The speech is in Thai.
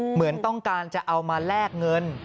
เหมือนต้องการจะเอามาแลกเงิน